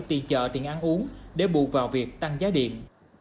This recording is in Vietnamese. tiền chợ tiền ăn uống để bù vào việc tăng giá điện